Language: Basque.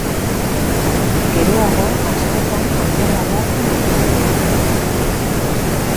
Geroago, askotan, azala latzen eta zimurtzen da.